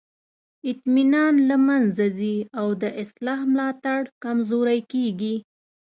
اطمینان له منځه ځي او د اصلاح ملاتړ کمزوری کیږي.